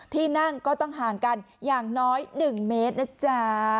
ที่นั่งก็ต้องห่างกันอย่างน้อย๑เมตรนะจ๊ะ